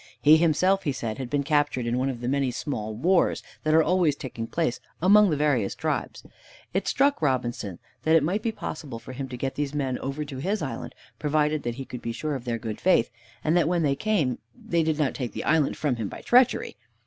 He himself, he said, had been captured in one of the many small wars that are always taking place among the various tribes. It struck Robinson that it might be possible for him to get these men over to his island, provided that he could be sure of their good faith, and that when they came, they did not take the island from him by treachery.